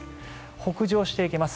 北上していきます。